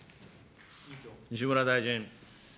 西村大臣。